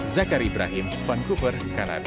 zakary ibrahim vancouver kanada